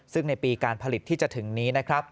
ซึ่งในปีการผลิตที่จะถึงนี้นะครับ